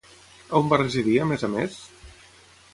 On va residir a més a més?